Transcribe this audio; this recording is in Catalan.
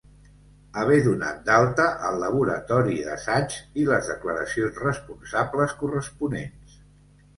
Haver donat d'alta el laboratori d'assaigs i les declaracions responsables corresponents.